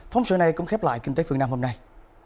phóng sự này cũng khép lại kinh tế phương nam hôm nay